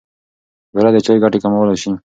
بوره د چای ګټې کمولای شي.